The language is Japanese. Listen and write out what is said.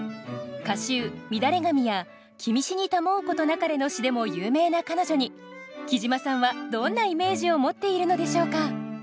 歌集「みだれ髪」や「君死にたまふことなかれ」の詩でも有名な彼女にきじまさんはどんなイメージを持っているのでしょうか？